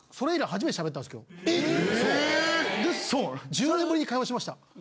１０年ぶりに会話しました。